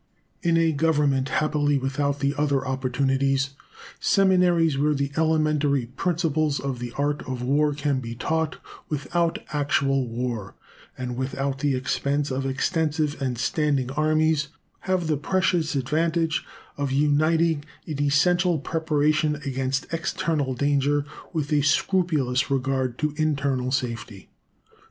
In a government happily without the other opportunities seminaries where the elementary principles of the art of war can be taught without actual war, and without the expense of extensive and standing armies, have the precious advantage of uniting an essential preparation against external danger with a scrupulous regard to internal safety.